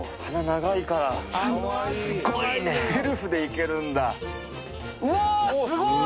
長いからすごいねセルフでいけるんだうわすごい！